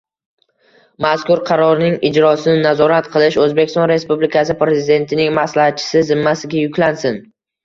Mazkur qarorning ijrosini nazorat qilish O‘zbekiston Respublikasi Prezidentining maslahatchisi zimmasiga yuklansin.